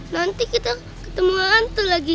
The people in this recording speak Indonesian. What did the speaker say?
nanti kita ketemu hantu lagi